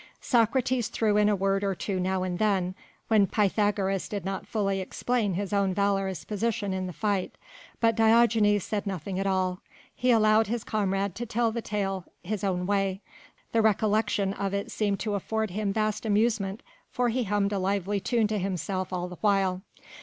Socrates threw in a word or two now and then, when Pythagoras did not fully explain his own valorous position in the fight, but Diogenes said nothing at all; he allowed his comrade to tell the tale his own way; the recollection of it seemed to afford him vast amusement for he hummed a lively tune to himself all the while.